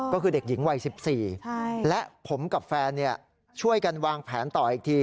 ก็คือเด็กหญิงวัย๑๔และผมกับแฟนช่วยกันวางแผนต่ออีกที